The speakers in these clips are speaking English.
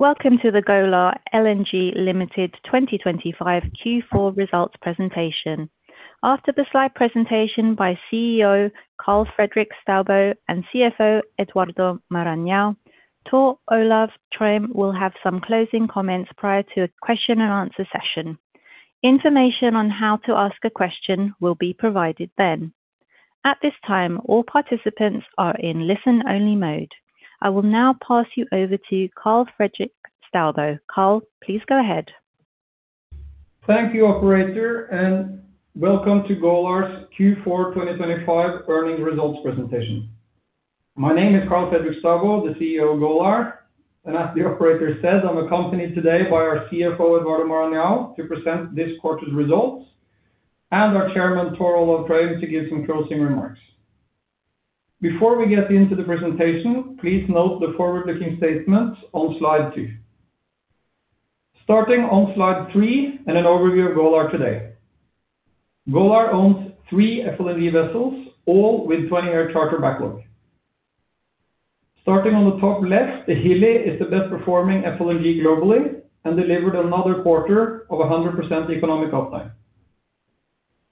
Welcome to the Golar LNG Limited 2025 Q4 results presentation. After the slide presentation by CEO Karl Fredrik Staubo and CFO Eduardo Maranhão, Tor Olav Trøim will have some closing comments prior to a question and answer session. Information on how to ask a question will be provided then. At this time, all participants are in listen-only mode. I will now pass you over to Karl Fredrik Staubo. Karl, please go ahead. Thank you, operator, and welcome to Golar's Q4 2025 earnings results presentation. My name is Karl Fredrik Staubo, the CEO of Golar, and as the operator said, I'm accompanied today by our CFO, Eduardo Maranhão, to present this quarter's results, and our Chairman, Tor Olav Trøim, to give some closing remarks. Before we get into the presentation, please note the forward-looking statements on slide two. Starting on slide three and an overview of Golar today. Golar owns three FLNG vessels, all with 20-year charter backlog. Starting on the top left, the Hilli is the best performing FLNG globally and delivered another quarter of a 100% economic uptime.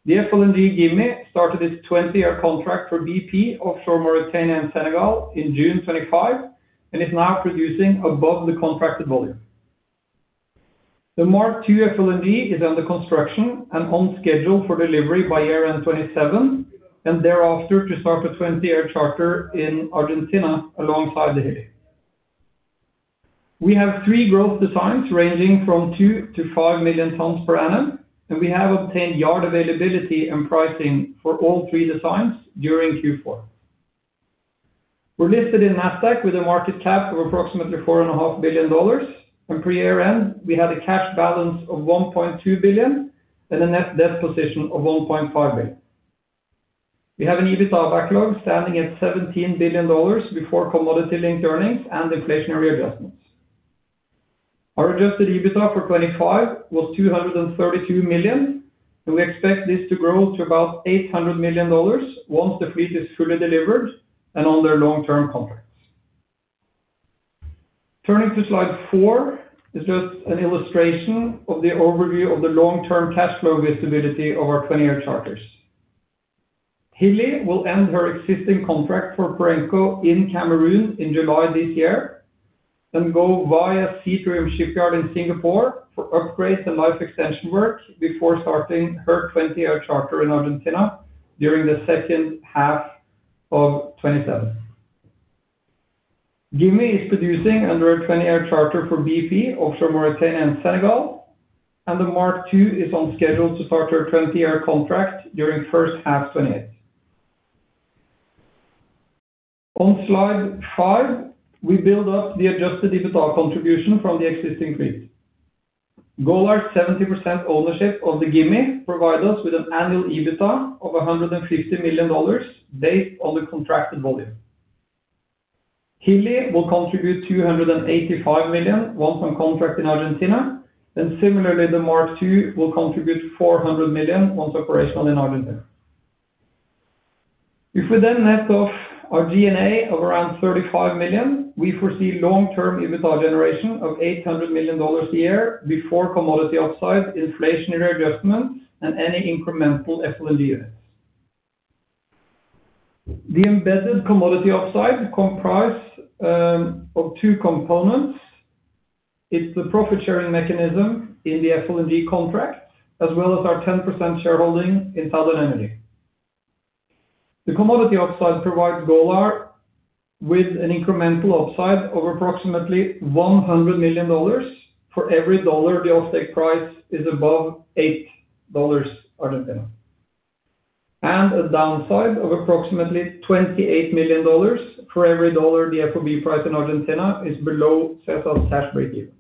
The FLNG Gimi started its 20-year contract for BP offshore Mauritania and Senegal in June 2025 and is now producing above the contracted volume. The Mark II FLNG is under construction and on schedule for delivery by year-end 2027, and thereafter to start a 20-year charter in Argentina alongside the Hilli. We have three growth designs ranging from 2 million-5 million tons per annum, and we have obtained yard availability and pricing for all three designs during Q4. We're listed in Nasdaq with a market cap of approximately $4.5 billion, and pre-year end, we had a cash balance of $1.2 billion and a net debt position of $1.5 billion. We have an EBITDA backlog standing at $17 billion before commodity linked earnings and inflationary adjustments. Our Adjusted EBITDA for 2025 was $232 million, and we expect this to grow to about $800 million once the fleet is fully delivered and on their long-term contracts. Turning to slide four, is just an illustration of the overview of the long-term cash flow visibility of our 20-year charters. Hilli will end her existing contract for Perenco in Cameroon in July this year and go via Seatrium Shipyard in Singapore for upgrades and life extension work before starting her 20-year charter in Argentina during the second half of 2027. Gimi is producing under a 20-year charter for BP, offshore Mauritania and Senegal, and the Mark II is on schedule to start her 20-year contract during first half 2028. On slide five, we build up the Adjusted EBITDA contribution from the existing fleet. Golar's 70% ownership of the Gimi provide us with an annual EBITDA of $150 million, based on the contracted volume. Hilli will contribute $285 million once on contract in Argentina. Similarly, the Mark II will contribute $400 million once operational in Argentina. We net off our G&A of around $35 million, we foresee long-term EBITDA generation of $800 million a year before commodity upside, inflationary adjustments, and any incremental FLNG units. The embedded commodity upside comprise of two components. It's the profit-sharing mechanism in the FLNG contract, as well as our 10% shareholding in Southern Energy. The commodity upside provides Golar with an incremental upside of approximately $100 million for every dollar the oil stake price is above $8 Argentine, and a downside of approximately $28 million for every dollar the FOB price in Argentina is below set of cash break-even.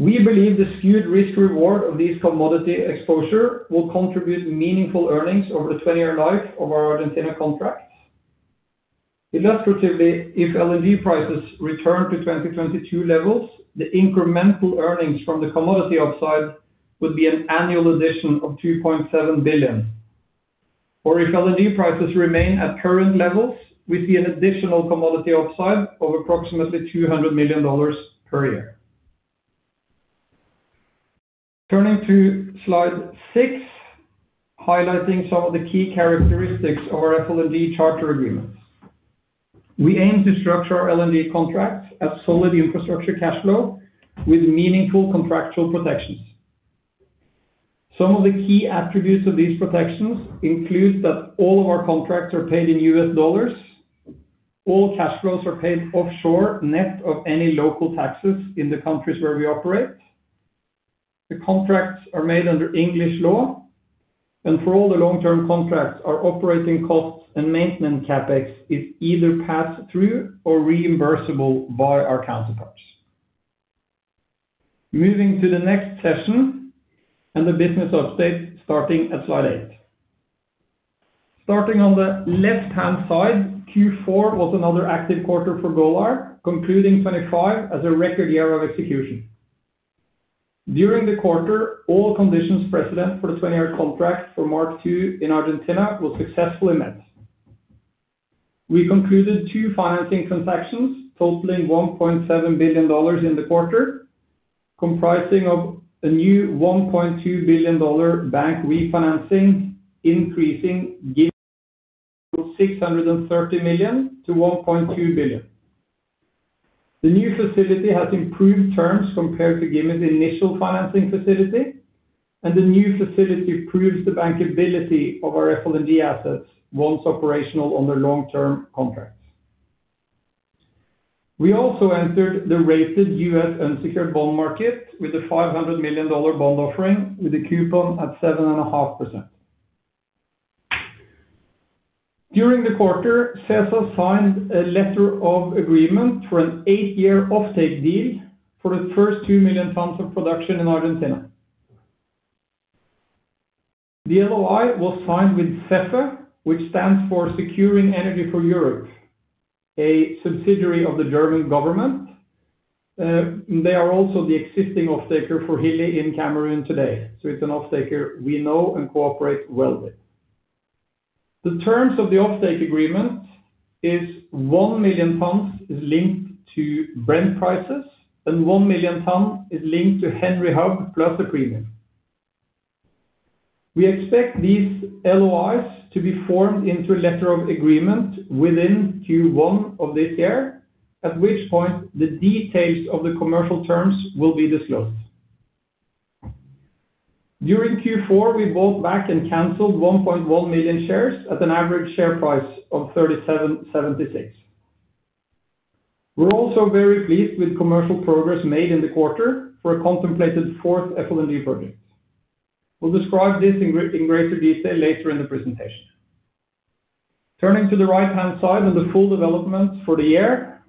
We believe the skewed risk reward of this commodity exposure will contribute meaningful earnings over the 20-year life of our Argentina contracts. Illustratively, if LNG prices return to 2022 levels, the incremental earnings from the commodity upside would be an annual addition of $2.7 billion. If LNG prices remain at current levels, we see an additional commodity upside of approximately $200 million per year. Turning to slide six, highlighting some of the key characteristics of our FLNG charter agreements. We aim to structure our LNG contracts as solid infrastructure cash flow with meaningful contractual protections. Some of the key attributes of these protections include that all of our contracts are paid in U.S. dollars. All cash flows are paid offshore, net of any local taxes in the countries where we operate. The contracts are made under English law. For all the long-term contracts, our operating costs and maintenance CapEx is either passed through or reimbursable by our counterparts. Moving to the next session and the business update, starting at slide eight. Starting on the left-hand side, Q4 was another active quarter for Golar, concluding 2025 as a record year of execution. During the quarter, all conditions precedent for the 20-year contract for Mark II in Argentina were successfully met. We concluded two financing transactions totaling $1.7 billion in the quarter, comprising of a new $1.2 billion bank refinancing, increasing Gimi from $630 million-$1.2 billion. The new facility has improved terms compared to Gimi's initial financing facility. The new facility proves the bankability of our FLNG assets once operational on their long-term contracts. We also entered the rated U.S. unsecured bond market with a $500 million bond offering, with a coupon at 7.5%. During the quarter, SESA signed a letter of agreement for an eight-year offtake deal for the first 2 million tons of production in Argentina. The LOI was signed with SEFE, which stands for Securing Energy For Europe, a subsidiary of the German government. They are also the existing off taker for Hilli in Cameroon today. It's an off taker we know and cooperate well with. The terms of the offtake agreement is 1 million tons is linked to Brent prices, and 1 million ton is linked to Henry Hub plus a premium. We expect these LOIs to be formed into a letter of agreement within Q1 of this year, at which point the details of the commercial terms will be disclosed. During Q4, we bought back and canceled 1.1 million shares at an average share price of $37.76. We're also very pleased with commercial progress made in the quarter for a contemplated fourth FLNG project. We'll describe this in greater detail later in the presentation. Turning to the right-hand side of the full development for the year,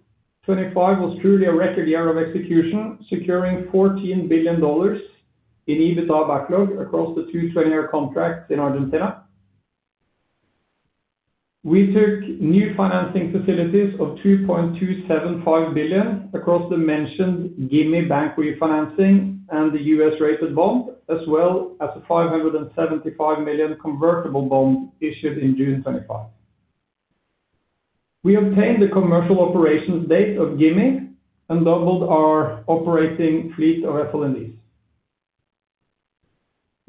2025 was truly a record year of execution, securing $14 billion in EBITDA backlog across the two 20-year contracts in Argentina. We took new financing facilities of $2.275 billion across the mentioned Gimi bank refinancing and the U.S.-rated bond, as well as a $575 million convertible bond issued in June 2025. We obtained the commercial operations date of Gimi and doubled our operating fleet of FLNGs.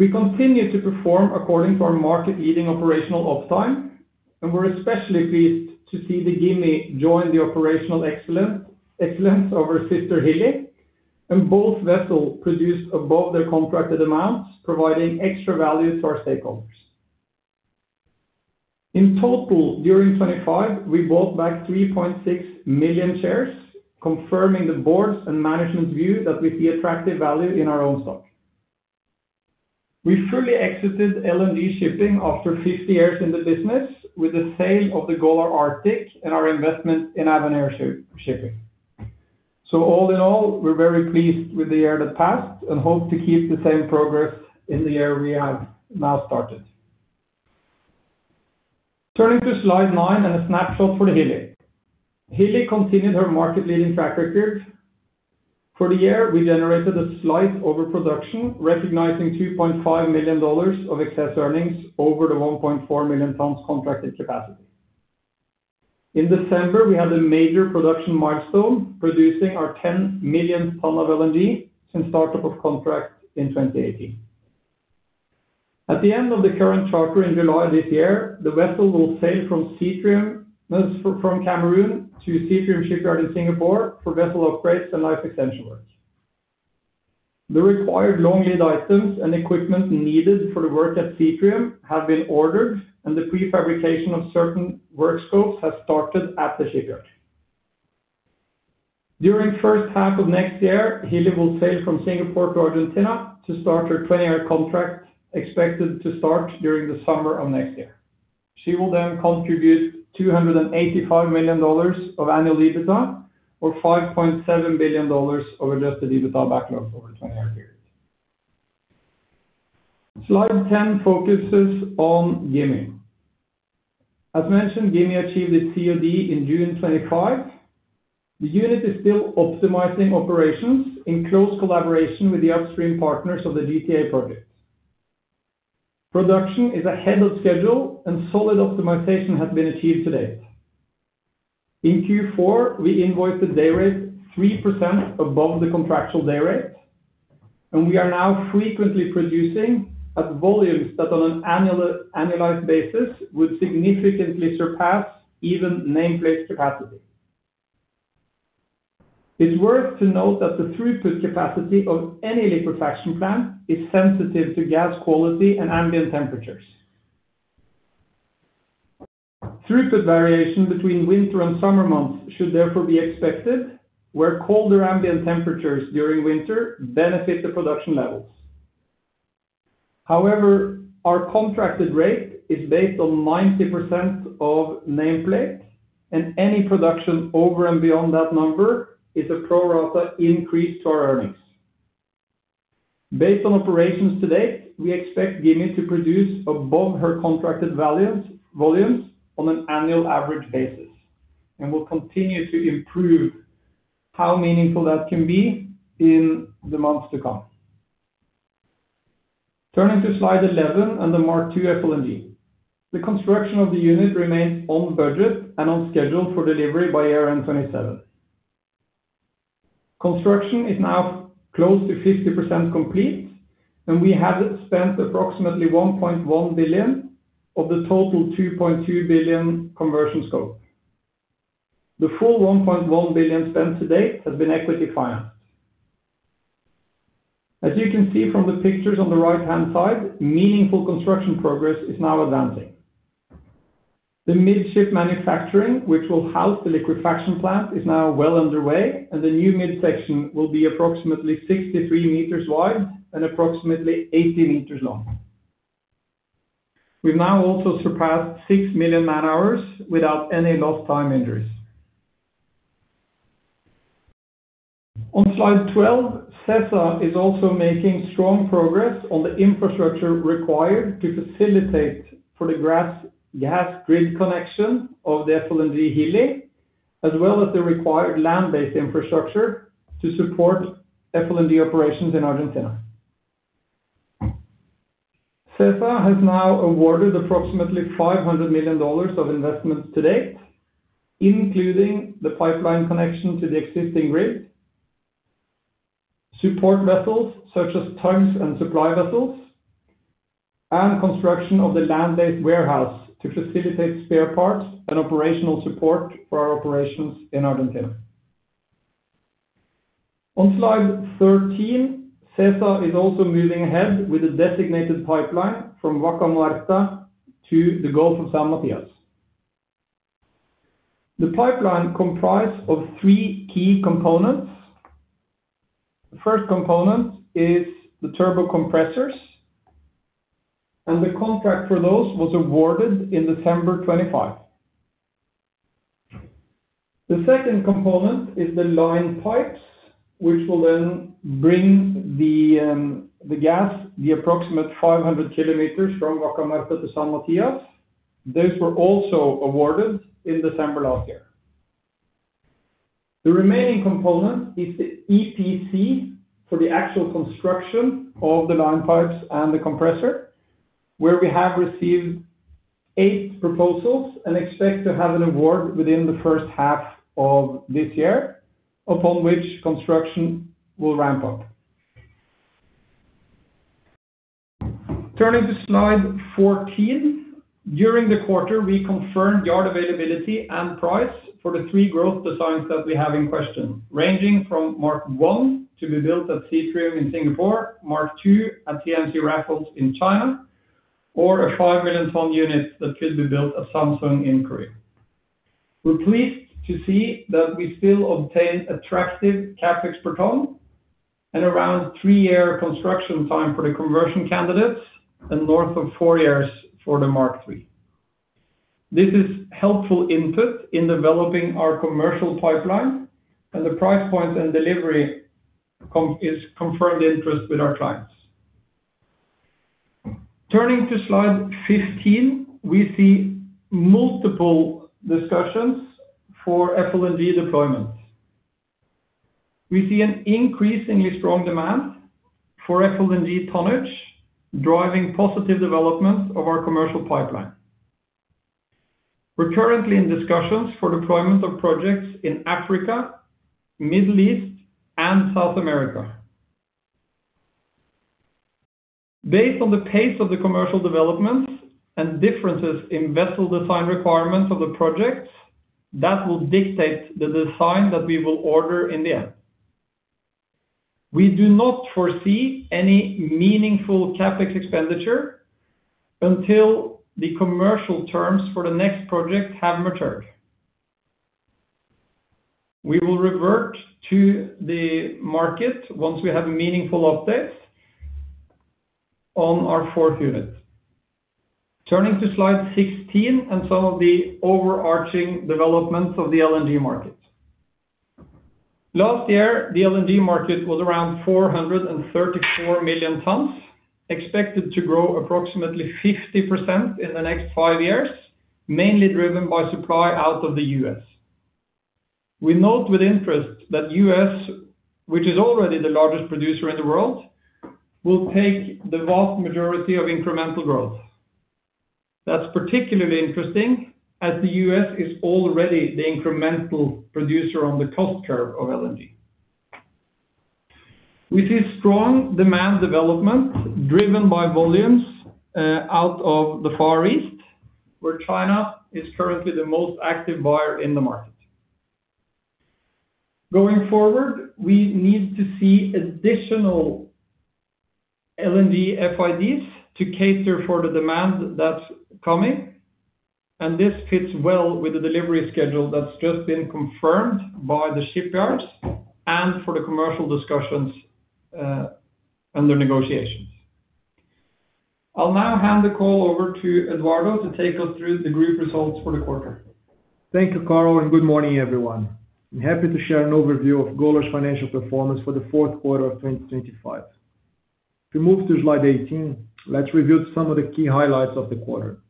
We continue to perform according to our market-leading operational off time, we're especially pleased to see the Gimi join the operational excellence of our sister Hilli, and both vessels produced above their contracted amounts, providing extra value to our stakeholders. In total, during 2025, we bought back 3.6 million shares, confirming the board's and management view that we see attractive value in our own stock. We fully exited LNG shipping after 50 years in the business with the sale of the Golar Arctic and our investment in Avenir Shipping. All in all, we're very pleased with the year that passed and hope to keep the same progress in the year we have now started. Turning to slide nine and a snapshot for the Hilli. Hilli continued her market-leading track record. For the year, we generated a slight overproduction, recognizing $2.5 million of excess earnings over the 1.4 million tons contracted capacity. In December, we had a major production milestone, producing our 10 million tons of LNG since start up of contract in 2018. At the end of the current charter in July of this year, the vessel will sail from Cameroon to Seatrium Shipyard in Singapore for vessel upgrades and life extension work. The required long-lead items and equipment needed for the work at Seatrium have been ordered, and the prefabrication of certain work scopes has started at the shipyard. During first half of next year, Hilli will sail from Singapore to Argentina to start her 20-year contract, expected to start during the summer of next year. She will contribute $285 million of annual EBITDA, or $5.7 billion over just the EBITDA backlog over a 20-year period. Slide 10 focuses on Gimi. As mentioned, Gimi achieved its COD in June 25. The unit is still optimizing operations in close collaboration with the upstream partners of the GTA project. Production is ahead of schedule, solid optimization has been achieved to date. In Q4, we invoiced the dayrate 3% above the contractual dayrate, we are now frequently producing at volumes that on an annualized basis, would significantly surpass even nameplate capacity. It's worth to note that the throughput capacity of any liquefaction plant is sensitive to gas quality and ambient temperatures. Throughput variation between winter and summer months should therefore be expected, where colder ambient temperatures during winter benefit the production levels. Our contracted rate is based on 90% of nameplate, and any production over and beyond that number is a pro rata increase to our earnings. Based on operations to date, we expect Gimi to produce above her contracted values, volumes on an annual average basis. We'll continue to improve how meaningful that can be in the months to come. Turning to slide 11 on the Mark II FLNG. The construction of the unit remains on budget and on schedule for delivery by year-end 2027. Construction is now close to 50% complete, and we have spent approximately $1.1 billion of the total $2.2 billion conversion scope. The full $1.1 billion spent to date has been equity financed. As you can see from the pictures on the right-hand side, meaningful construction progress is now advancing. The midship manufacturing, which will house the liquefaction plant, is now well underway, and the new midsection will be approximately 63 meters wide and approximately 80 meters long. We've now also surpassed 6 million man-hours without any lost time injuries. On slide 12, SESA is also making strong progress on the infrastructure required to facilitate for the gas grid connection of the FLNG Hilli, as well as the required land-based infrastructure to support FLNG operations in Argentina. SESA has now awarded approximately $500 million of investments to date, including the pipeline connection to the existing grid, support vessels such as tanks and supply vessels, and construction of the land-based warehouse to facilitate spare parts and operational support for our operations in Argentina. On slide 13, SESA is also moving ahead with a designated pipeline from Vaca Muerta to the Gulf of San Matias. The pipeline comprise of 3 key components. The first component is the turbo compressors. The contract for those was awarded in December 2025. The second component is the line pipes, which will then bring the gas, the approximate 500 km from Vaca Muerta to San Matias. Those were also awarded in December last year. The remaining component is the EPC for the actual construction of the line pipes and the compressor, where we have received eight proposals and expect to have an award within the first half of this year, upon which construction will ramp up. Turning to slide 14. During the quarter, we confirmed yard availability and price for the three growth designs that we have in question, ranging from Mark I to be built at Seatrium in Singapore, Mark II at CIMC Raffles in China, or a 5 million ton unit that could be built at Samsung in Korea. We're pleased to see that we still obtain attractive CapEx per ton and around 3-year construction time for the conversion candidates and north of four years for the Mark III. This is helpful input in developing our commercial pipeline. The price points and delivery is confirmed interest with our clients. Turning to slide 15, we see multiple discussions for FLNG deployments. We see an increasingly strong demand for FLNG tonnage, driving positive development of our commercial pipeline. We're currently in discussions for deployment of projects in Africa, Middle East, and South America. Based on the pace of the commercial developments and differences in vessel design requirements of the projects, that will dictate the design that we will order in the end. We do not foresee any meaningful CapEx expenditure until the commercial terms for the next project have matured. We will revert to the market once we have a meaningful update on our fourth unit. Turning to slide 16 and some of the overarching developments of the LNG market. Last year, the LNG market was around 434 million tons, expected to grow approximately 50% in the next five years, mainly driven by supply out of the U.S. We note with interest that U.S., which is already the largest producer in the world, will take the vast majority of incremental growth. That's particularly interesting as the U.S. is already the incremental producer on the cost curve of LNG. We see strong demand development driven by volumes out of the Far East, where China is currently the most active buyer in the market. Going forward, we need to see additional LNG FIDs to cater for the demand that's coming, and this fits well with the delivery schedule that's just been confirmed by the shipyards and for the commercial discussions and the negotiations. I'll now hand the call over to Eduardo Maranhão to take us through the group results for the quarter. Thank you, Karl, and good morning, everyone. I'm happy to share an overview of Golar's financial performance for the fourth quarter of 2025. We move to slide 18. Let's review some of the key highlights of the quarter.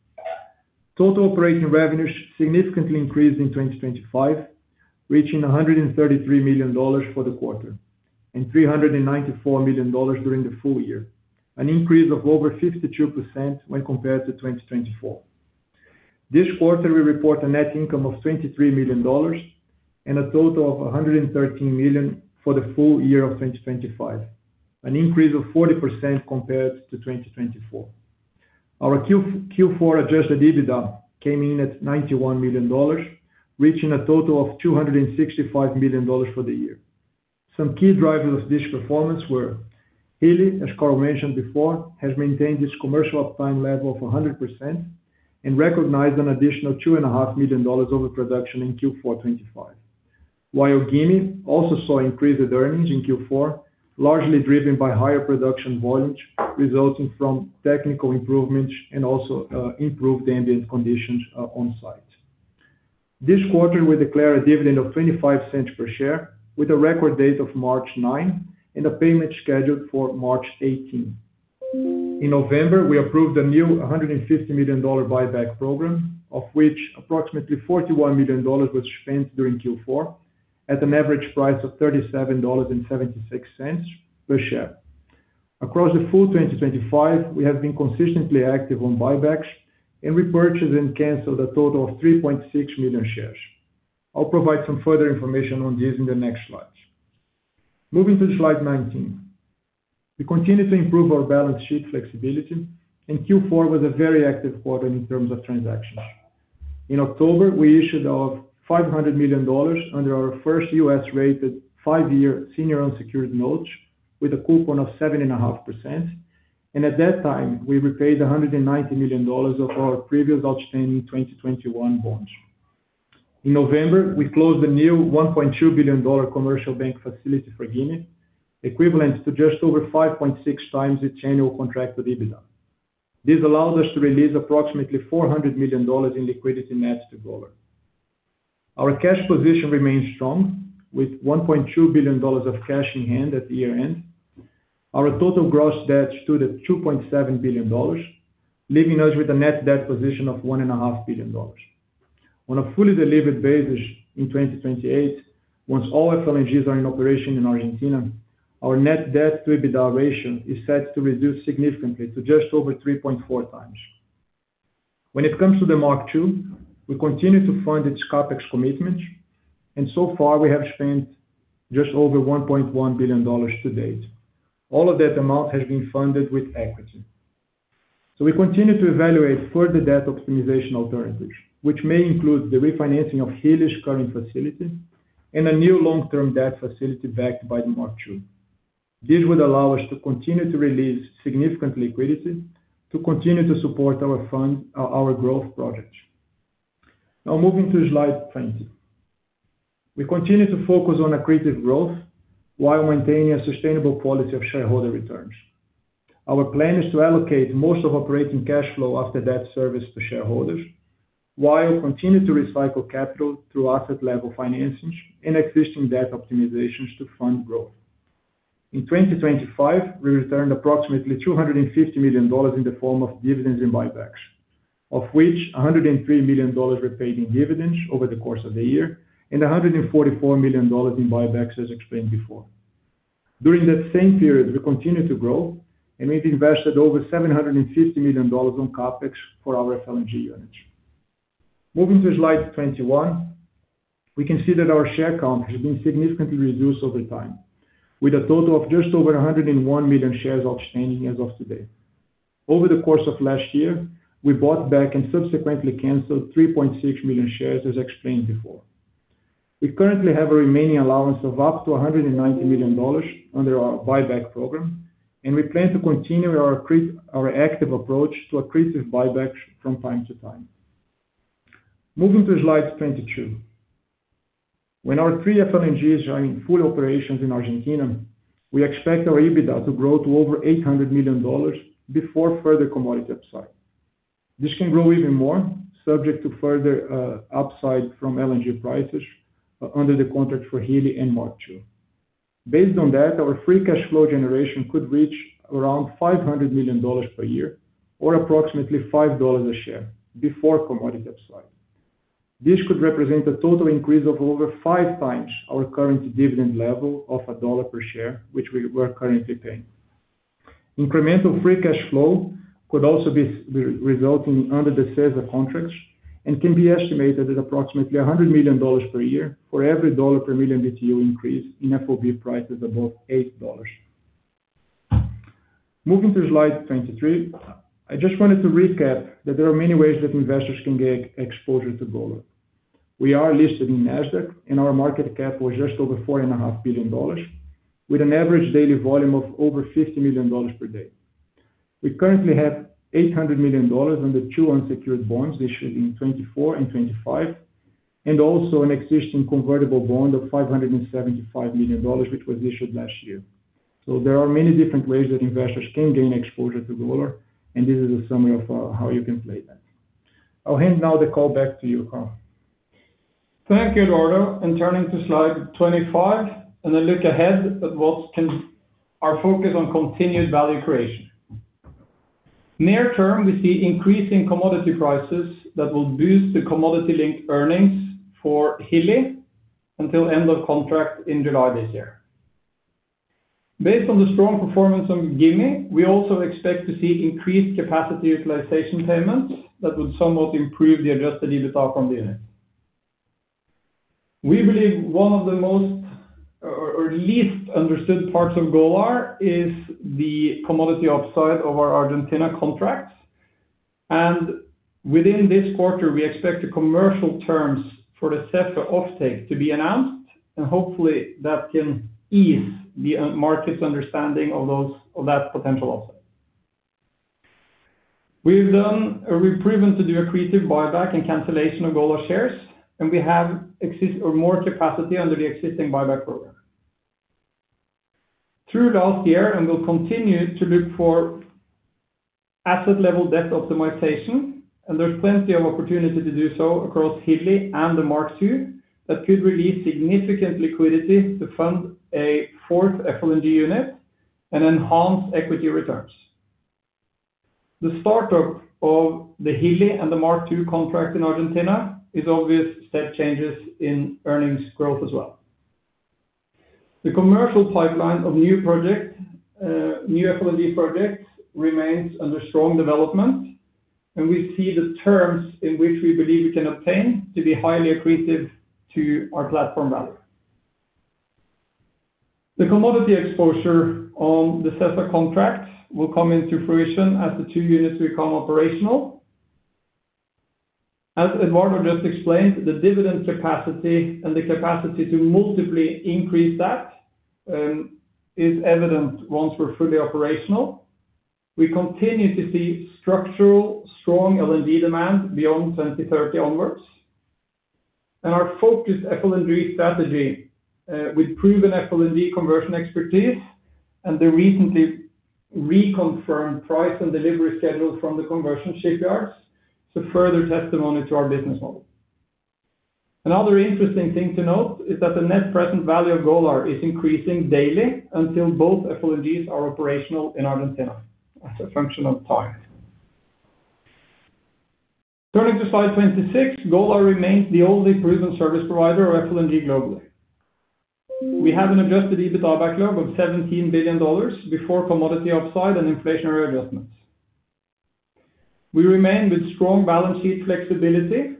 Total operating revenues significantly increased in 2025, reaching $133 million for the quarter, and $394 million during the full year, an increase of over 52% when compared to 2024. This quarter, we report a net income of $23 million and a total of $113 million for the full year of 2025, an increase of 40% compared to 2024. Our Q4 Adjusted EBITDA came in at $91 million, reaching a total of $265 million for the year. Some key drivers of this performance were Hilli, as Karl mentioned before, has maintained its commercial uptime level of 100% and recognized an additional two and a half million dollars over production in Q4 2025. While Gimi also saw increased earnings in Q4, largely driven by higher production volumes resulting from technical improvements and also improved ambient conditions on site. This quarter, we declare a dividend of $0.25 per share, with a record date of March 9 and a payment scheduled for March 18. In November, we approved a new $150 million buyback program, of which approximately $41 million was spent during Q4 at an average price of $37.76 per share. Across the full 2025, we have been consistently active on buybacks, and we purchased and canceled a total of 3.6 million shares. I'll provide some further information on this in the next slides. Moving to slide 19. We continue to improve our balance sheet flexibility. Q4 was a very active quarter in terms of transactions. In October, we issued $500 million under our first U.S.-rated five-year senior unsecured notes with a coupon of 7.5%. At that time, we repaid $190 million of our previous outstanding 2021 bonds. In November, we closed a new $1.2 billion commercial bank facility for Gimi, equivalent to just over 5.6x its annual contracted EBITDA. This allows us to release approximately $400 million in liquidity net to Golar. Our cash position remains strong, with $1.2 billion of cash in hand at the year-end. Our total gross debt stood at $2.7 billion, leaving us with a net debt position of one and a half billion dollars. On a fully delivered basis in 2028, once all FLNGs are in operation in Argentina, our net debt to EBITDA ratio is set to reduce significantly to just over 3.4x. When it comes to the Mark II, we continue to fund its CapEx commitments, and so far we have spent just over $1.1 billion to date. All of that amount has been funded with equity. We continue to evaluate further debt optimization alternatives, which may include the refinancing of Hilli's current facilities and a new long-term debt facility backed by the Mark II. This would allow us to continue to release significant liquidity to continue to support our fund our growth projects. Moving to slide 20. We continue to focus on accretive growth while maintaining a sustainable quality of shareholder returns. Our plan is to allocate most of operating cash flow after debt service to shareholders, while continuing to recycle capital through asset-level financings and existing debt optimizations to fund growth. In 2025, we returned approximately $250 million in the form of dividends and buybacks, of which $103 million were paid in dividends over the course of the year and $144 million in buybacks, as explained before. During that same period, we continued to grow and we've invested over $750 million on CapEx for our FLNG units. Moving to slide 21, we can see that our share count has been significantly reduced over time, with a total of just over 101 million shares outstanding as of today. Over the course of last year, we bought back and subsequently canceled 3.6 million shares, as explained before. We currently have a remaining allowance of up to $190 million under our buyback program. We plan to continue our active approach to accretive buybacks from time to time. Moving to slide 22. When our three FLNGs are in full operations in Argentina, we expect our EBITDA to grow to over $800 million before further commodity upside. This can grow even more, subject to further upside from LNG prices under the contract for Hilli and Mark II. Based on that, our free cash flow generation could reach around $500 million per year or approximately $5 a share before commodity upside. This could represent a total increase of over 5 times our current dividend level of $1 per share, which we're currently paying. Incremental free cash flow could also be re-resulting under the SESA contracts and can be estimated at approximately $100 million per year for every $1 per million BTU increase in FOB prices above $8. Moving to slide 23, I just wanted to recap that there are many ways that investors can get exposure to Golar. We are listed in Nasdaq, our market cap was just over $4.5 billion, with an average daily volume of over $50 million per day. We currently have $800 million in the two unsecured bonds issued in 2024 and 2025, and also an existing convertible bond of $575 million, which was issued last year. There are many different ways that investors can gain exposure to Golar, and this is a summary of how you can play that. I'll hand now the call back to you, Karl. Thank you, Eduardo. Turning to slide 25, and a look ahead at what's can, our focus on continued value creation. Near term, we see increasing commodity prices that will boost the commodity-linked earnings for Hilli until end of contract in July this year. Based on the strong performance of Gimi, we also expect to see increased capacity utilization payments that would somewhat improve the Adjusted EBITDA from the unit. We believe one of the most or least understood parts of Golar is the commodity upside of our Argentina contracts. Within this quarter, we expect the commercial terms for the SESA offtake to be announced, and hopefully that can ease the market's understanding of those, of that potential offset. We've done a reproven to do accretive buyback and cancellation of Golar shares, and we have more capacity under the existing buyback program. Through last year, we'll continue to look for asset level debt optimization, there's plenty of opportunity to do so across Hilli and the Mark II, that could release significant liquidity to fund a fourth FLNG unit and enhance equity returns. The startup of the Hilli and the Mark II contract in Argentina is obvious step changes in earnings growth as well. The commercial pipeline of new project, new FLNG projects remains under strong development, we see the terms in which we believe we can obtain to be highly accretive to our platform value. The commodity exposure on the SESA contract will come into fruition as the two units become operational. As Eduardo Maranhão just explained, the dividend capacity and the capacity to multiply increase that is evident once we're fully operational. We continue to see structural strong LNG demand beyond 2030 onwards. Our focused FLNG strategy, with proven FLNG conversion expertise and the recently reconfirmed price and delivery schedules from the conversion shipyards, is a further testimony to our business model. Another interesting thing to note is that the net present value of Golar is increasing daily until both FLNGs are operational in Argentina as a function of time. Turning to slide 26, Golar remains the only proven service provider of FLNG globally. We have an adjusted EBITDA backlog of $17 billion before commodity upside and inflationary adjustments. We remain with strong balance sheet flexibility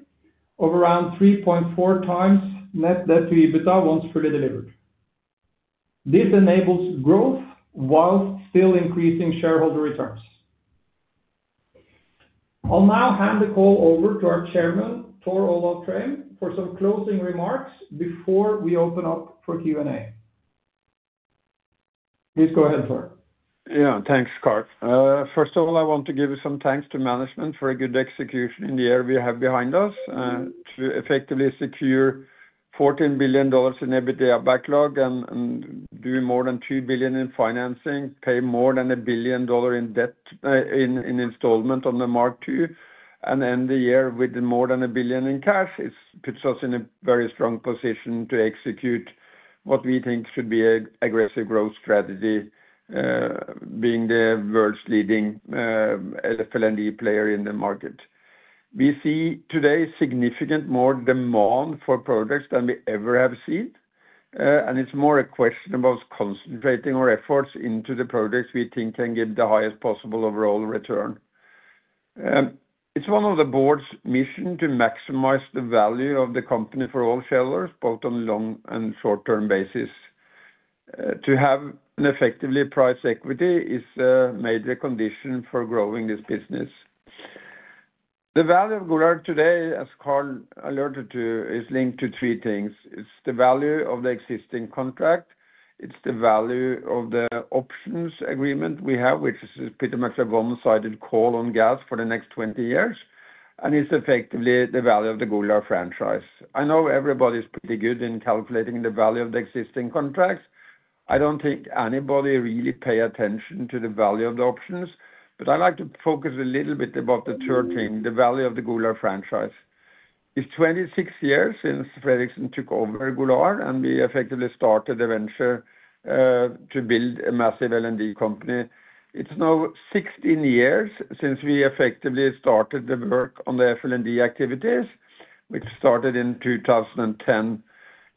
of around 3.4x net debt to EBITDA once fully delivered. This enables growth while still increasing shareholder returns. I'll now hand the call over to our Chairman, Tor Olav Trøim, for some closing remarks before we open up for Q&A. Please go ahead, Tor. Thanks, Karl. First of all, I want to give some thanks to management for a good execution in the area we have behind us, to effectively secure $14 billion in EBITDA backlog and do more than $3 billion in financing, pay more than $1 billion in debt, in installment on the Mark II, end the year with more than $1 billion in cash. It's puts us in a very strong position to execute what we think should be a aggressive growth strategy, being the world's leading FLNG player in the market. We see today significant more demand for products than we ever have seen, it's more a question about concentrating our efforts into the products we think can give the highest possible overall return. It's one of the board's mission to maximize the value of the company for all shareholders, both on long and short-term basis. To have an effectively priced equity is a major condition for growing this business. The value of Golar today, as Karl alerted to, is linked to three things. It's the value of the existing contract, it's the value of the options agreement we have, which is pretty much a one-sided call on gas for the next 20 years, and it's effectively the value of the Golar franchise. I know everybody's pretty good in calculating the value of the existing contracts. I don't think anybody really pay attention to the value of the options, I'd like to focus a little bit about the third thing, the value of the Golar franchise. It's 26 years since Fredriksen took over Golar, we effectively started the venture to build a massive LNG company. It's now 16 years since we effectively started the work on the FLNG activities, which started in 2010.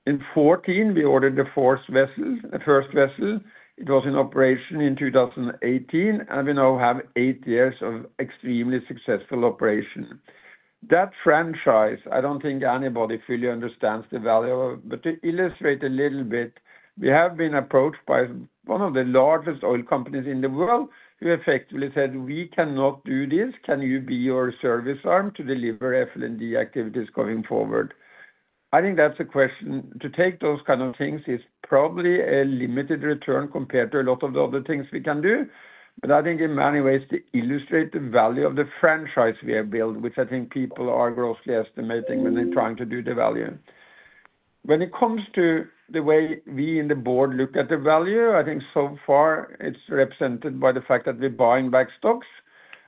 In 2014, we ordered the fourth vessel, the first vessel. It was in operation in 2018, and we now have eight years of extremely successful operation. That franchise, I don't think anybody fully understands the value of, but to illustrate a little bit, we have been approached by one of the largest oil companies in the world, who effectively said, "We cannot do this. Can you be our service arm to deliver FLNG activities going forward?" I think that's a question. To take those kind of things is probably a limited return compared to a lot of the other things we can do. I think in many ways, to illustrate the value of the franchise we have built, which I think people are grossly estimating when they're trying to do the value. When it comes to the way we in the board look at the value, I think so far it's represented by the fact that we're buying back stocks,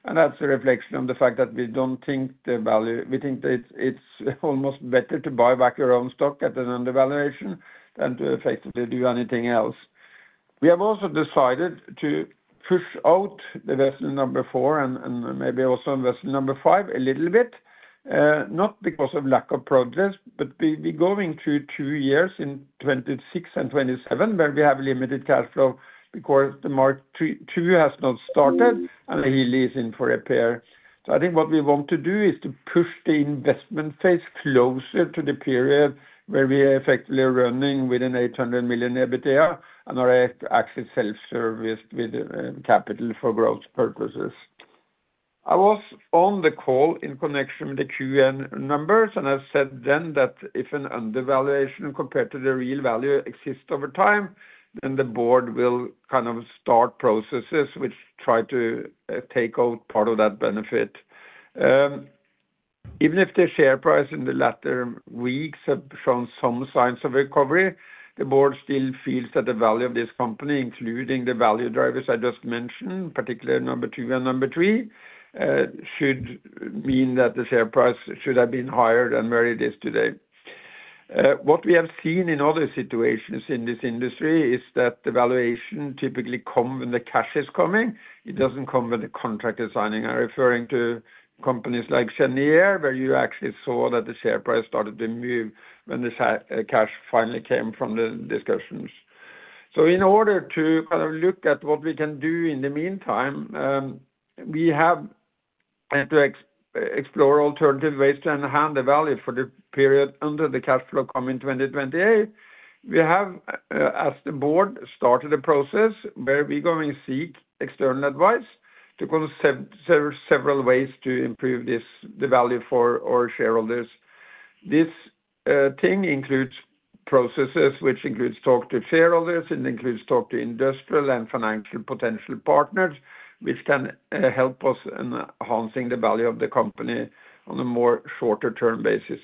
and that's a reflection on the fact that we don't think the value, we think that it's almost better to buy back your own stock at an undervaluation than to effectively do anything else. We have also decided to push out the vessel number four and maybe also vessel number five a little bit, not because of lack of progress, but we're going through two years in 2026 and 2027, where we have limited cash flow because the Mark II has not started and Hilli is in for repair. I think what we want to do is to push the investment phase closer to the period where we are effectively running with an $800 million EBITDA and are actually self-serviced with capital for growth purposes. I was on the call in connection with the Q1 numbers. I said then that if an undervaluation compared to the real value exists over time, the board will kind of start processes which try to take out part of that benefit. Even if the share price in the latter weeks have shown some signs of recovery, the board still feels that the value of this company, including the value drivers I just mentioned, particularly number two and number three, should mean that the share price should have been higher than where it is today. What we have seen in other situations in this industry is that the valuation typically come when the cash is coming. It doesn't come when the contract is signing. I'm referring to companies like Cheniere, where you actually saw that the share price started to move when the cash finally came from the discussions. In order to kind of look at what we can do in the meantime, we have to explore alternative ways to enhance the value for the period under the cash flow coming in 2028. We have, as the board, started a process where we're going to seek external advice to consider several ways to improve the value for our shareholders. This thing includes processes, which includes talk to shareholders, it includes talk to industrial and financial potential partners, which can help us in enhancing the value of the company on a more shorter term basis.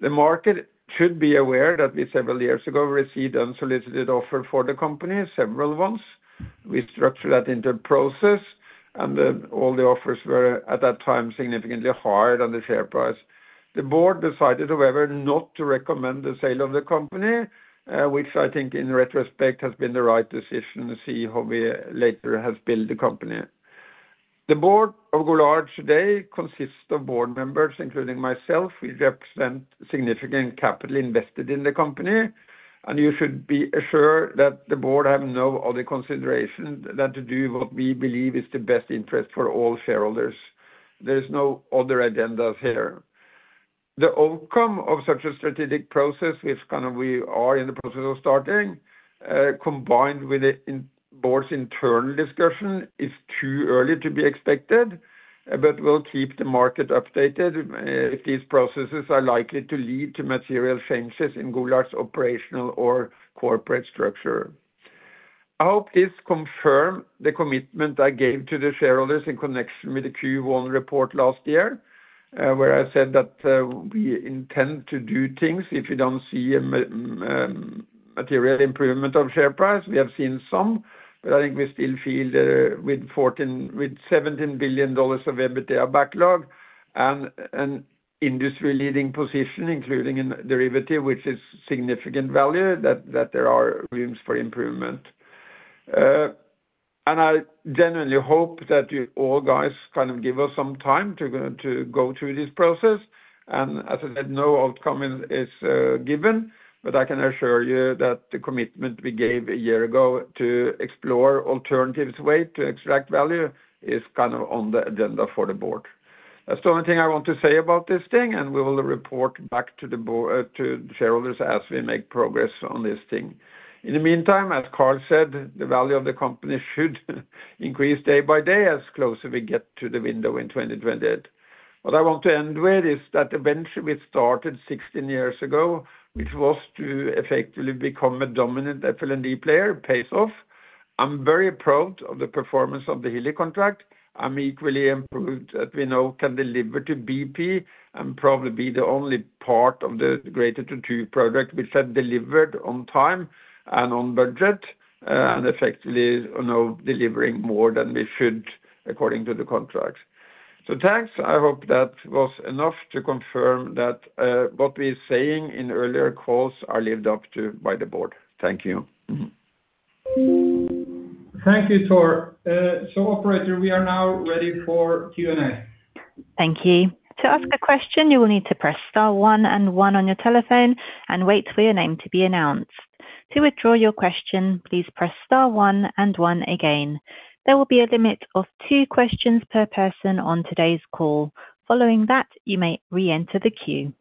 The market should be aware that we, several years ago, received unsolicited offer for the company, several ones. We structured that into a process. All the offers were, at that time, significantly higher than the share price. The board decided, however, not to recommend the sale of the company, which I think in retrospect has been the right decision to see how we later have built the company. The Board of Golar today consists of board members, including myself, which represent significant capital invested in the company. You should be assured that the board have no other consideration than to do what we believe is the best interest for all shareholders. There is no other agendas here. The outcome of such a strategic process, which kind of we are in the process of starting, combined with the board's internal discussion, is too early to be expected. We'll keep the market updated, if these processes are likely to lead to material changes in Golar's operational or corporate structure. I hope this confirm the commitment I gave to the shareholders in connection with the Q1 report last year, where I said that, we intend to do things if we don't see a material improvement of share price. We have seen some, but I think we still feel that with $17 billion of EBITDA backlog and an industry-leading position, including in derivative, which is significant value, that there are rooms for improvement. I genuinely hope that you all guys kind of give us some time to go through this process. As I said, no outcome is given, but I can assure you that the commitment we gave a year ago to explore alternatives way to extract value is kind of on the agenda for the board. That's the only thing I want to say about this thing, we will report back to the shareholders as we make progress on this thing. In the meantime, as Karl said, the value of the company should increase day by day as closer we get to the window in 2028. What I want to end with is that the venture we started 16 years ago, which was to effectively become a dominant FLNG player, pays off. I'm very proud of the performance of the Hilli contract. I'm equally improved that we now can deliver to BP and probably be the only part of the Greater Tortue project which had delivered on time and on budget, and effectively, you know, delivering more than we should according to the contract. Thanks. I hope that was enough to confirm that what we saying in earlier calls are lived up to by the board. Thank you. Thank you, Tor. operator, we are now ready for Q&A. Thank you. To ask a question, you will need to press star one and one on your telephone and wait for your name to be announced. To withdraw your question, please press star one and one again. There will be a limit of two questions per person on today's call. Following that, you may reenter the queue.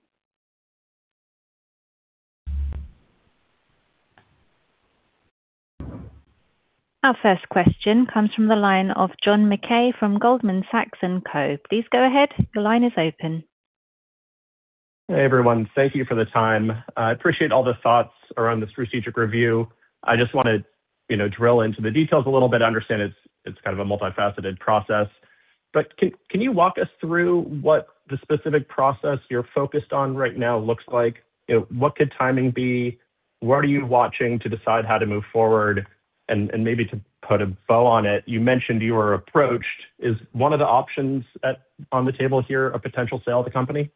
Our first question comes from the line of John Mackay from Goldman Sachs & Co. Please go ahead. Your line is open. Hey, everyone. Thank you for the time. I appreciate all the thoughts around this strategic review. I just want to, you know, drill into the details a little bit. I understand it's kind of a multifaceted process. Can you walk us through what the specific process you're focused on right now looks like? You know, what could timing be? What are you watching to decide how to move forward? Maybe to put a bow on it, you mentioned you were approached. Is one of the options on the table here, a potential sale of the company?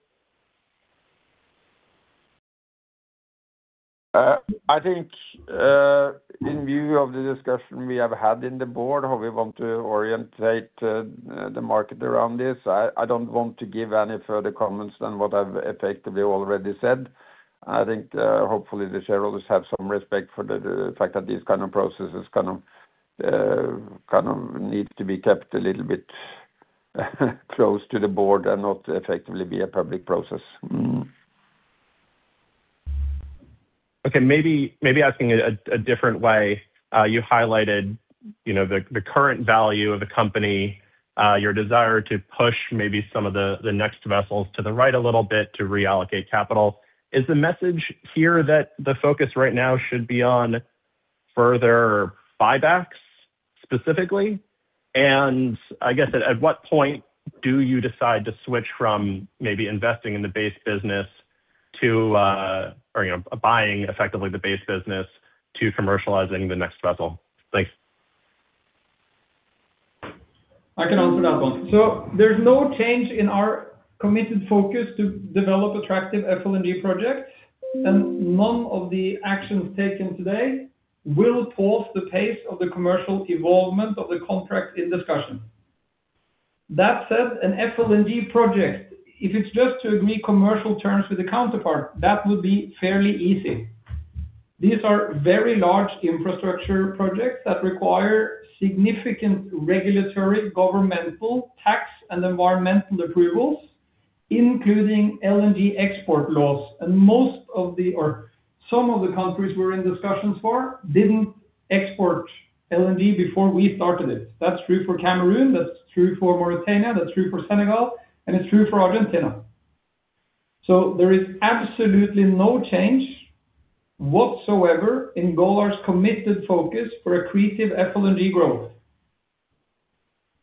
I think, in view of the discussion we have had in the board, how we want to orientate the market around this, I don't want to give any further comments than what I've effectively already said. I think, hopefully, the shareholders have some respect for the fact that these kind of processes kind of need to be kept a little bit close to the board and not effectively be a public process. Okay, maybe asking it a different way. You highlighted, you know, the current value of the company, your desire to push maybe some of the next vessels to the right a little bit to reallocate capital. Is the message here that the focus right now should be on further buybacks, specifically? I guess at what point do you decide to switch from maybe investing in the base business to, or, you know, buying effectively the base business to commercializing the next vessel? Thanks. I can answer that one. There's no change in our committed focus to develop attractive FLNG projects, and none of the actions taken today will pause the pace of the commercial involvement of the contract in discussion. That said, an FLNG project, if it's just to meet commercial terms with the counterpart, that would be fairly easy. These are very large infrastructure projects that require significant regulatory, governmental, tax, and environmental approvals, including LNG export laws. Most of the, or some of the countries we're in discussions for, didn't export LNG before we started it. That's true for Cameroon, that's true for Mauritania, that's true for Senegal, and it's true for Argentina. There is absolutely no change whatsoever in Golar's committed focus for accretive FLNG growth.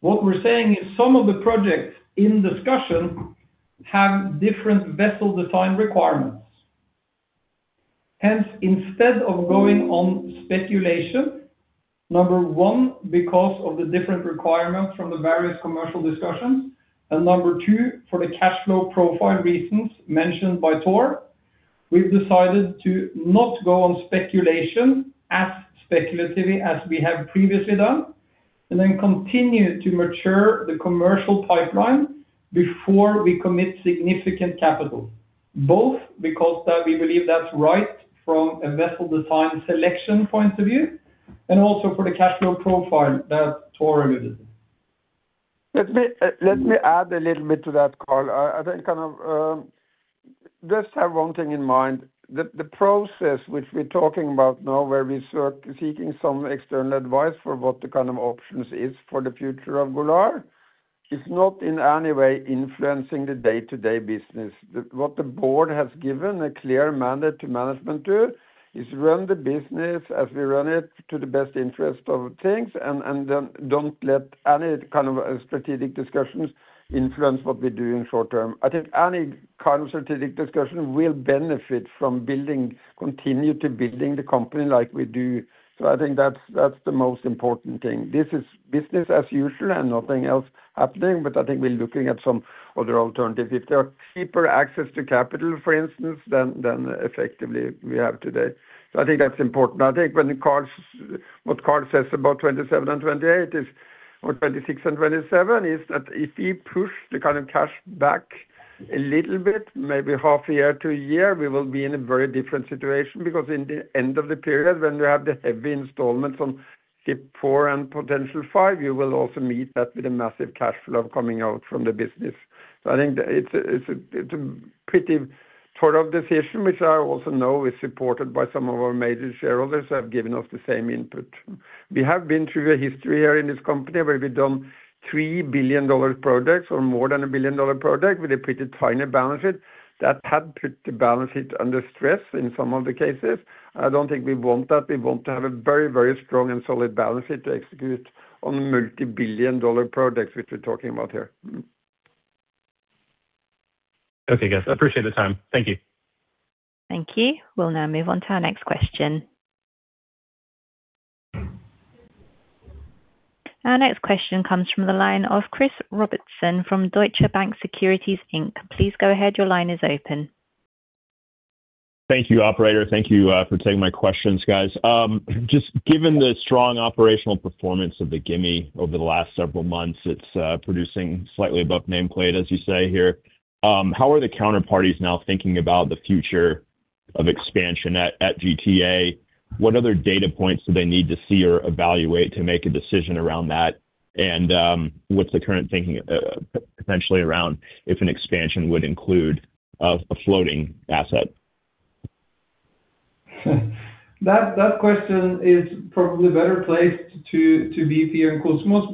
What we're saying is some of the projects in discussion have different vessel design requirements. Hence, instead of going on speculation, number one, because of the different requirements from the various commercial discussions, and number two, for the cash flow profile reasons mentioned by Tor, we've decided to not go on speculation as speculatively as we have previously done, and then continue to mature the commercial pipeline before we commit significant capital. Both because that we believe that's right from a vessel design selection point of view, and also for the cash flow profile that Tor mentioned. Let me add a little bit to that, Karl. I think, kind of, just have one thing in mind. The process which we're talking about now, where we're seeking some external advice for what the kind of options is for the future of Golar, is not in any way influencing the day-to-day business. What the board has given a clear mandate to management to, is run the business as we run it to the best interest of things, and then don't let any kind of strategic discussions influence what we do in short term. I think any kind of strategic discussion will benefit from continue to building the company like we do. I think that's the most important thing. This is business as usual and nothing else happening, I think we're looking at some other alternatives. If there are cheaper access to capital, for instance, than effectively we have today. I think that's important. I think when Karl's, what Karl says about 2027 and 2028 is, or 2026 and 2027, is that if he push the kind of cash back a little bit, maybe half a year to a year, we will be in a very different situation. Because in the end of the period, when we have the heavy installments on ship four and potential five, you will also meet that with a massive cash flow coming out from the business. I think it's a pretty thorough decision, which I also know is supported by some of our major shareholders who have given us the same input. We have been through a history here in this company, where we've done $3 billion dollar projects or more than a $1 billion-dollar project with a pretty finer balance sheet, that had put the balance sheet under stress in some of the cases. I don't think we want that. We want to have a very, very strong and solid balance sheet to execute on multi-billion dollar projects, which we're talking about here. Guys, I appreciate the time. Thank you. Thank you. We'll now move on to our next question. Our next question comes from the line of Christopher Robertson from Deutsche Bank Securities Inc. Please go ahead. Your line is open. Thank you, operator. Thank you for taking my questions, guys. Just given the strong operational performance of the Gimi over the last several months, it's producing slightly above nameplate, as you say here. How are the counterparties now thinking about the future of expansion at GTA? What other data points do they need to see or evaluate to make a decision around that? What's the current thinking potentially around if an expansion would include a floating asset? That question is probably better placed to BP and Kosmos,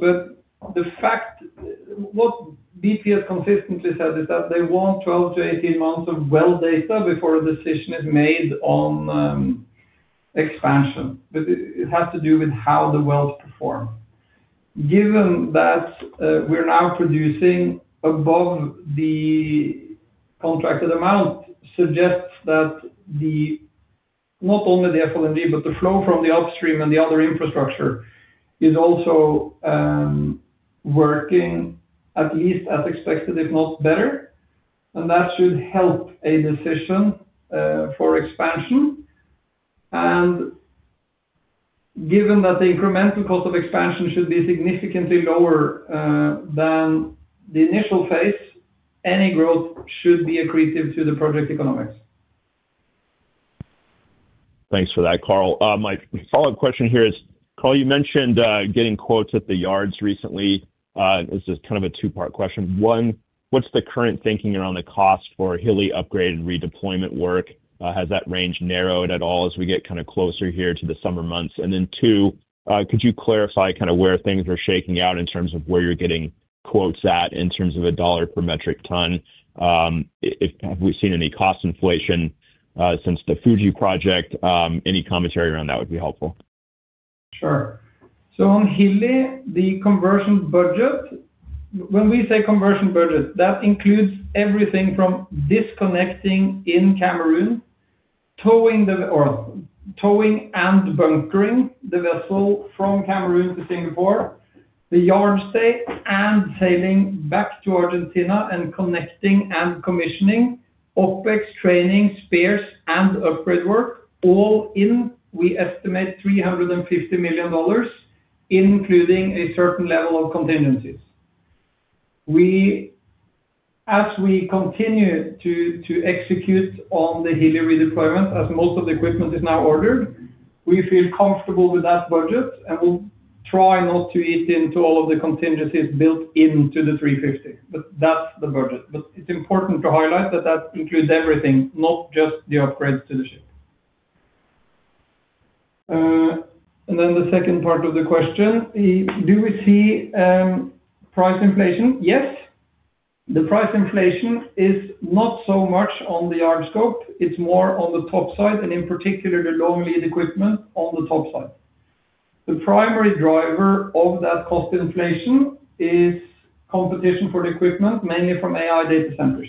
what BP has consistently said is that they want 12-18 months of well data before a decision is made on expansion, but it has to do with how the wells perform. Given that we are now producing above the contracted amount, suggests that not only the FLNG, but the flow from the upstream and the other infrastructure is also working at least as expected, if not better, that should help a decision for expansion. Given that the incremental cost of expansion should be significantly lower than the initial phase, any growth should be accretive to the project economics. Thanks for that, Karl. My follow-up question here is, Karl, you mentioned getting quotes at the yards recently. This is kind of a two-part question. One, what's the current thinking around the cost for Hilli upgraded redeployment work? Has that range narrowed at all as we get kind of closer here to the summer months? Then two, could you clarify kind of where things are shaking out in terms of where you're getting quotes at, in terms of a dollar per metric ton? Have we seen any cost inflation since the Fuji project? Any commentary around that would be helpful. Sure. On Hilli, the conversion budget. When we say conversion budget, that includes everything from disconnecting in Cameroon, towing and bunkering the vessel from Cameroon to Singapore, the yard stay and sailing back to Argentina and connecting and commissioning, OpEx, training, spares, and upgrade work. All in, we estimate $350 million, including a certain level of contingencies. As we continue to execute on the Hilli redeployment, as most of the equipment is now ordered, we feel comfortable with that budget, and we'll try not to eat into all of the contingencies built into the $350. That's the budget. It's important to highlight that that includes everything, not just the upgrades to the ship. The second part of the question is, do we see price inflation? Yes. The price inflation is not so much on the yard scope, it's more on the top side, and in particular, the long lead equipment on the top side. The primary driver of that cost inflation is competition for the equipment, mainly from AI data centers.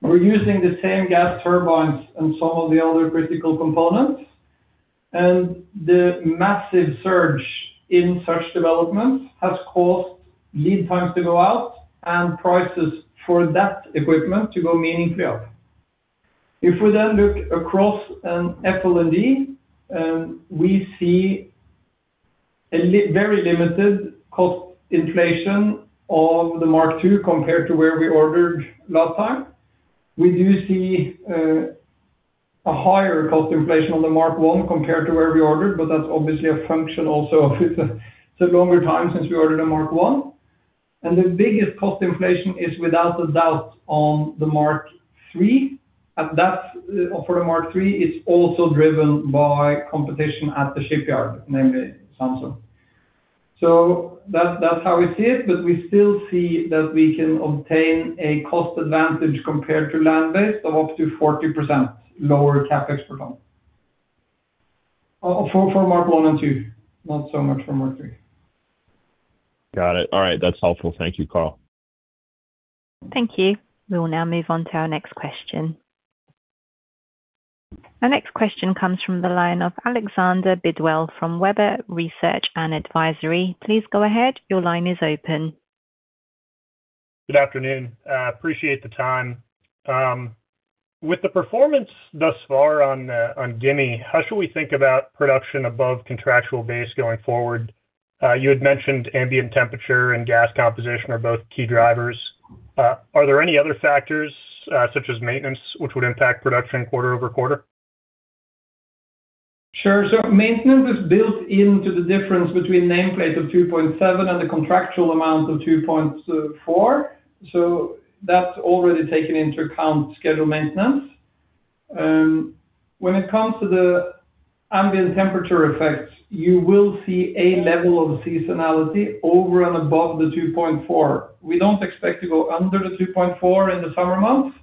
We're using the same gas turbines and some of the other critical components, and the massive surge in such developments has caused lead times to go out and prices for that equipment to go meaningfully up. If we look across an FLNG, we see a very limited cost inflation of the Mark II compared to where we ordered last time. We do see a higher cost inflation on the Mark I compared to where we ordered, but that's obviously a function also of it's a longer time since we ordered a Mark I. The biggest cost inflation is without a doubt on the Mark III, and that's, for the Mark III, it's also driven by competition at the shipyard, namely Samsung. That's, that's how we see it, but we still see that we can obtain a cost advantage compared to land base of up to 40% lower CapEx per ton. For, for Mark I and II, not so much for Mark III. Got it. All right. That's helpful. Thank you, Karl. Thank you. We will now move on to our next question. Our next question comes from the line of Alexander Bidwell from Webber Research and Advisory. Please go ahead. Your line is open. Good afternoon. Appreciate the time. With the performance thus far on Gimi, how should we think about production above contractual base going forward? You had mentioned ambient temperature and gas composition are both key drivers. Are there any other factors, such as maintenance, which would impact production quarter-over-quarter? Maintenance is built into the difference between nameplate of 2.7 and the contractual amount of 2.4. That's already taken into account scheduled maintenance. When it comes to the ambient temperature effects, you will see a level of seasonality over and above the 2.4. We don't expect to go under the 2.4 in the summer months,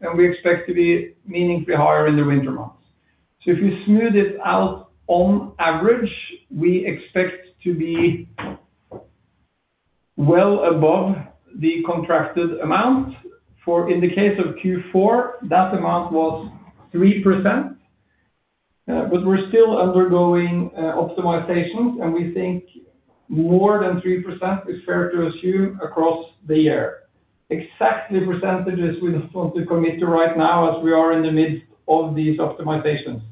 and we expect to be meaningfully higher in the winter months. If you smooth it out, on average, we expect to be well above the contracted amount. For in the case of Q4, that amount was 3%, but we're still undergoing optimizations, and we think more than 3% is fair to assume across the year. Exactly percentages we don't want to commit to right now as we are in the midst of these optimizations.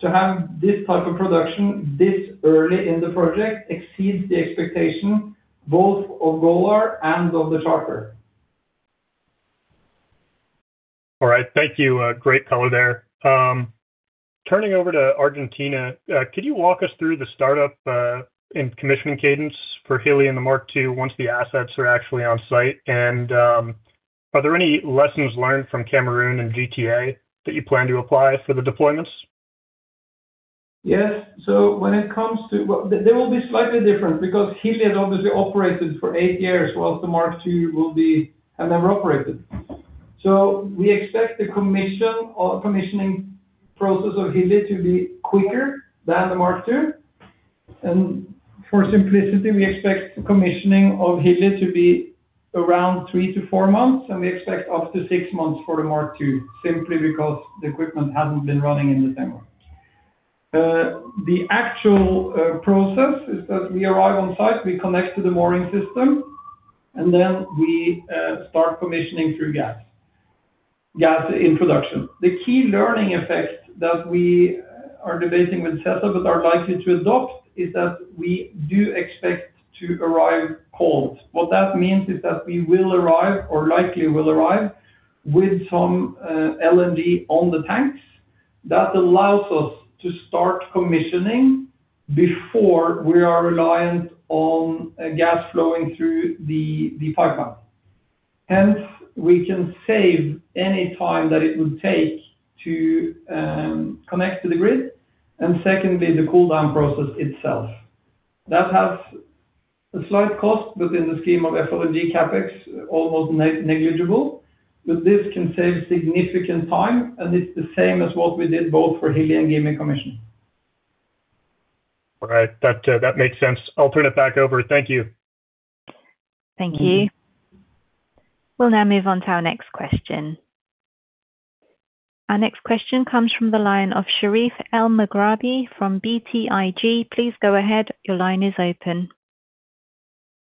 To have this type of production this early in the project exceeds the expectation, both of Golar and of the charter. All right. Thank you. Great color there. Turning over to Argentina, could you walk us through the startup, and commissioning cadence for Hilli and the Mark II once the assets are actually on site? Are there any lessons learned from Cameroon and GTA that you plan to apply for the deployments? Yes, when it comes to they will be slightly different because Hilli has obviously operated for eight years, while the Mark II will have never operated. We expect the commissioning process of Hilli to be quicker than the Mark II. For simplicity, we expect commissioning of Hilli to be around three-four months, and we expect up to six months for the Mark II, simply because the equipment hasn't been running in the same way. The actual process is that we arrive on site, we connect to the mooring system, and then we start commissioning through gas introduction. The key learning effect that we are debating with Saipem, but are likely to adopt, is that we do expect to arrive cold. What that means is that we will arrive or likely will arrive with some LNG on the tanks. That allows us to start commissioning before we are reliant on gas flowing through the pipeline. Hence, we can save any time that it would take to connect to the grid, and secondly, the cool down process itself. That has a slight cost within the scheme of FLNG CapEx, almost negligible, but this can save significant time, and it's the same as what we did both for Hilli and Gimi commission. All right. That makes sense. I'll turn it back over. Thank you. Thank you. We'll now move on to our next question. Our next question comes from the line of Sherif Elmaghrabi from BTIG. Please go ahead. Your line is open.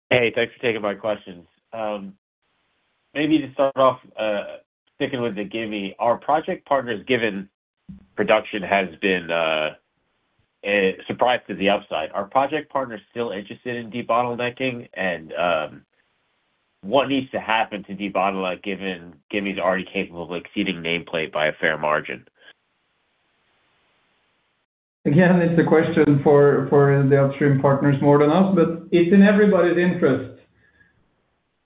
Hey, thanks for taking my questions. maybe to start off, sticking with the Gimi, our project partners, given production has been, surprised to the upside. Are project partners still interested in debottlenecking? what needs to happen to debottleneck, given Gimi is already capable of exceeding nameplate by a fair margin? Again, it's a question for the upstream partners more than us, but it's in everybody's interest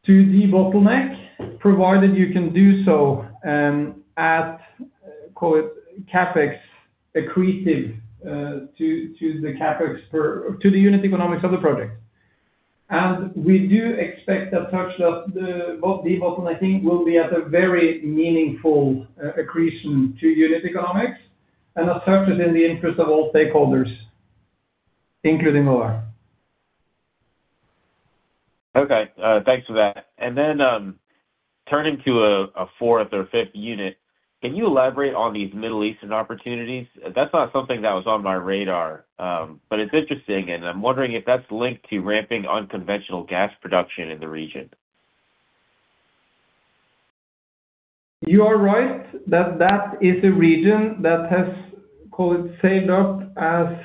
to debottleneck, provided you can do so, at, call it CapEx, accretive to the CapEx for the unit economics of the project. We do expect that such that the debottlenecking, will be at a very meaningful accretion to unit economics and as such is in the interest of all stakeholders, including our. Okay, thanks for that. Then, turning to a fourth or fifth unit, can you elaborate on these Middle Eastern opportunities? That's not something that was on my radar, but it's interesting, and I'm wondering if that's linked to ramping unconventional gas production in the region. You are right that that is a region that has, call it, sailed up as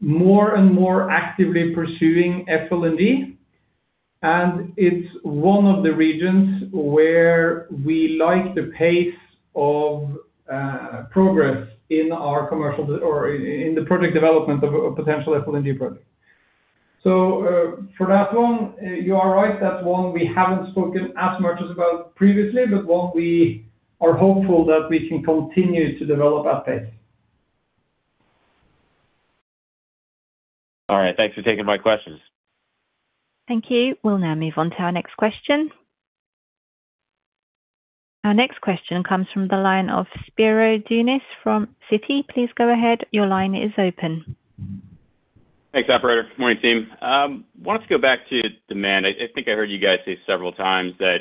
more and more actively pursuing FLNG. It's one of the regions where we like the pace of progress in our commercial or in the product development of potential FLNG project. For that one, you are right, that one we haven't spoken as much as about previously, but one we are hopeful that we can continue to develop our pace. All right, thanks for taking my questions. Thank you. We'll now move on to our next question. Our next question comes from the line of Spiro Dounis from Citi. Please go ahead. Your line is open. Thanks, operator. Good morning, team. Wanted to go back to demand. I think I heard you guys say several times that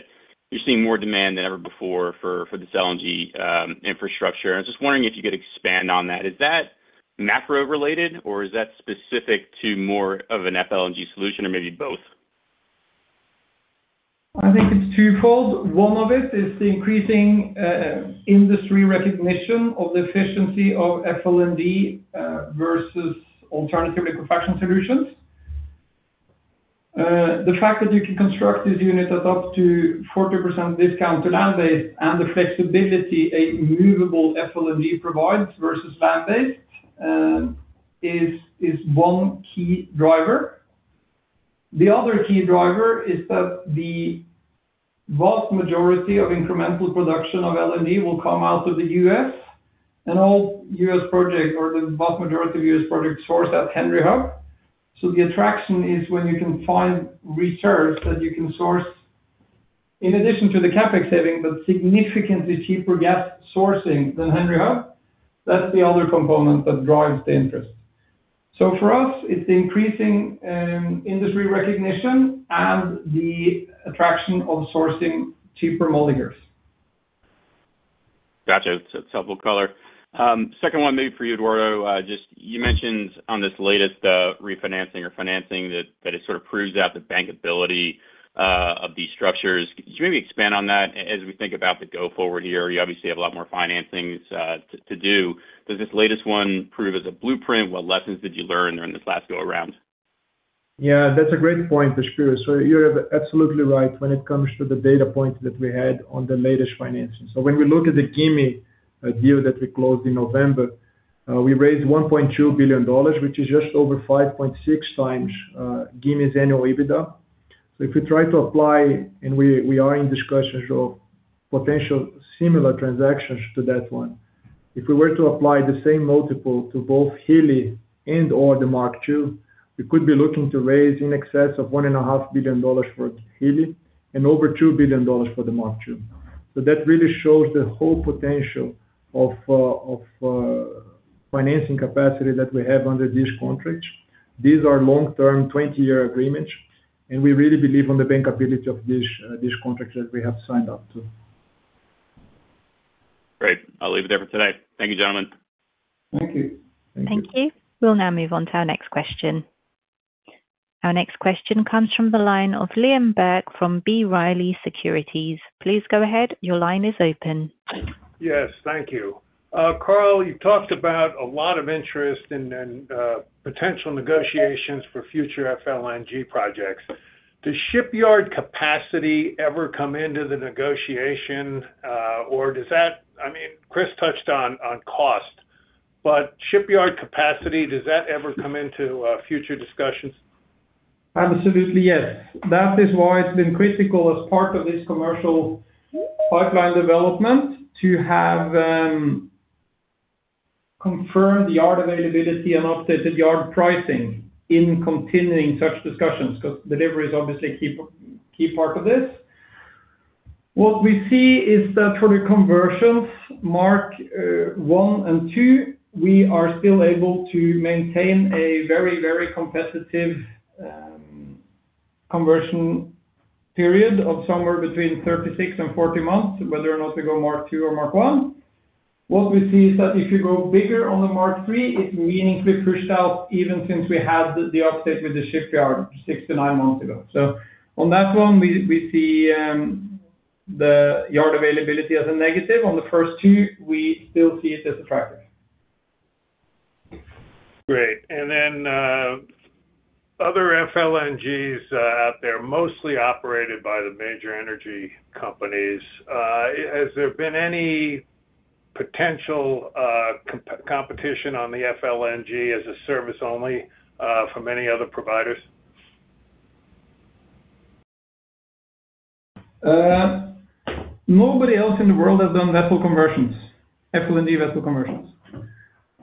you're seeing more demand than ever before for this LNG infrastructure. I was just wondering if you could expand on that. Is that macro related, or is that specific to more of an FLNG solution, or maybe both? I think it's twofold. One of it is the increasing industry recognition of the efficiency of FLNG versus alternative liquefaction solutions. The fact that you can construct this unit at up to 40% discount to land-based and the flexibility a movable FLNG provides versus land-based is one key driver. The other key driver is that the vast majority of incremental production of LNG will come out of the U.S. All U.S. project or the vast majority of U.S. projects source at Henry Hub. The attraction is when you can find reserves that you can source. In addition to the CapEx saving, but significantly cheaper gas sourcing than Henry Hub, that's the other component that drives the interest. For us, it's increasing industry recognition and the attraction of sourcing cheaper molecules. Gotcha. It's a helpful color. Second one, maybe for you, Eduardo. Just you mentioned on this latest refinancing or financing, that it sort of proves out the bankability of these structures. Could you maybe expand on that as we think about the go forward here? You obviously have a lot more financings to do. Does this latest one prove as a blueprint? What lessons did you learn during this last go around? Yeah, that's a great point, Spiro. You're absolutely right when it comes to the data point that we had on the latest financing. When we look at the Gimi deal that we closed in November, we raised $1.2 billion, which is just over 5.6x Gimi's annual EBITDA. If we try to apply, and we are in discussions of potential similar transactions to that one, if we were to apply the same multiple to both Hilli and or the Mark II, we could be looking to raise in excess of $1.5 billion for Hilli and over $2 billion for the Mark II. That really shows the whole potential of financing capacity that we have under these contracts. These are long-term, 20-year agreements. We really believe on the bankability of these contracts that we have signed up to. Great. I'll leave it there for today. Thank you, gentlemen. Thank you. Thank you. We'll now move on to our next question. Our next question comes from the line of Liam Burke from B. Riley Securities. Please go ahead. Your line is open. Yes, thank you. Karl, you talked about a lot of interest in potential negotiations for future FLNG projects. Does shipyard capacity ever come into the negotiation, or I mean, Chris touched on cost, but shipyard capacity, does that ever come into future discussions? Absolutely, yes. That is why it's been critical as part of this commercial pipeline development to have confirmed the yard availability and updated yard pricing in continuing such discussions, because delivery is obviously a key part of this. What we see is that for the conversions, Mark I and II, we are still able to maintain a very competitive conversion period of somewhere between 36 and 40 months, whether or not we go Mark II or Mark I. What we see is that if you go bigger on the Mark III, it's meaningfully pushed out, even since we had the update with the shipyard six-nine months ago. On that one, we see the yard availability as a negative. On the first two, we still see it as attractive. Great. Other FLNGs out there, mostly operated by the major energy companies, has there been any potential competition on the FLNG as a service only from any other providers? Nobody else in the world has done vessel conversions, FLNG vessel conversions.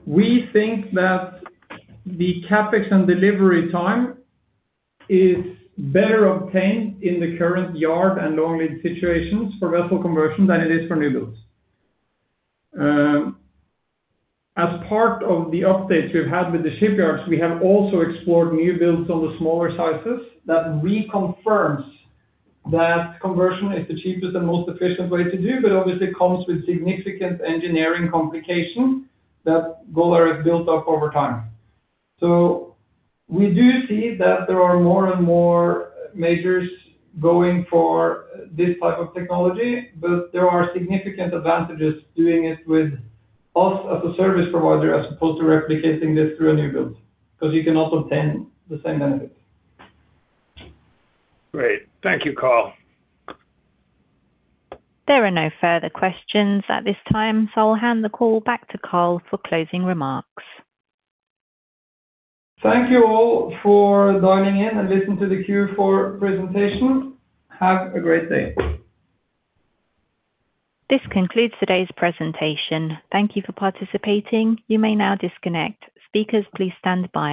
We think that the CapEx and delivery time is better obtained in the current yard and long lead situations for vessel conversion than it is for new builds. As part of the updates we've had with the shipyards, we have also explored new builds on the smaller sizes. That reconfirms that conversion is the cheapest and most efficient way to do, but obviously comes with significant engineering complications that Golar has built up over time. We do see that there are more and more majors going for this type of technology, but there are significant advantages doing it with us as a service provider, as opposed to replicating this through a new build, because you cannot obtain the same benefits. Great. Thank you, Karl. There are no further questions at this time, so I'll hand the call back to Karl for closing remarks. Thank you all for dialing in and listening to the Q4 presentation. Have a great day. This concludes today's presentation. Thank you for participating. You may now disconnect. Speakers, please stand by.